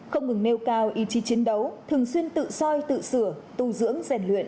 không ngừng nêu cao ý chí chiến đấu thường xuyên tự soi tự sửa tu dưỡng rèn luyện